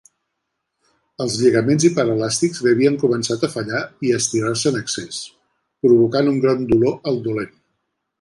Els lligaments hiperelàstics li havien començat a fallar i estirar-se en excés, provocant un gran dolor al dolent.